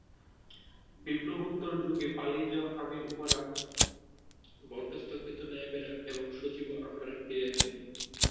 বিপ্লবোত্তর যুগে পালিয়ে যাওয়া আমীর-উমারা, বরখাস্তকৃত নায়েবরা এবং সচিব ও আমলারা ফিরে আসে।